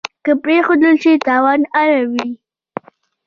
که پرېښودل شي تاوانونه اړوي.